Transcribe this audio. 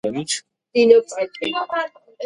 მდებარეობს პოლტავის ოლქის გრებიონკის რაიონში.